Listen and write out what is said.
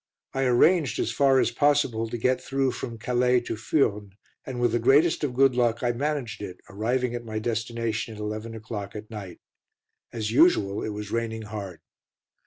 I arranged, as far as possible, to get through from Calais to Furnes, and with the greatest of good luck I managed it, arriving at my destination at eleven o'clock at night. As usual, it was raining hard.